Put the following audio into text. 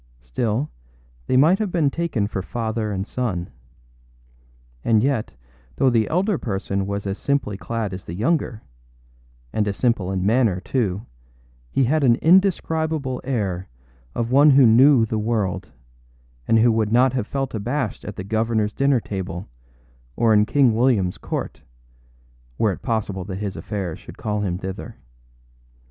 Still they might have been taken for father and son. And yet, though the elder person was as simply clad as the younger, and as simple in manner too, he had an indescribable air of one who knew the world, and who would not have felt abashed at the governorâs dinner table or in King Williamâs court, were it possible that his affairs should call him thither.